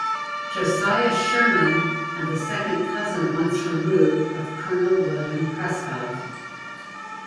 Josiah Sherman and the second cousin once removed of Colonel William Prescott.